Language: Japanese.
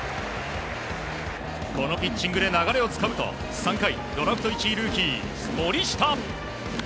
このピッチングで流れをつかむと、３回、ドラフト１位ルーキー、森下。